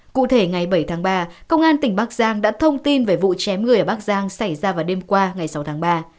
cụ thể ngày bảy tháng ba công an tỉnh bắc giang đã thông tin về vụ chém người ở bắc giang xảy ra vào đêm qua ngày sáu tháng ba